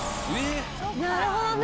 なるほどね。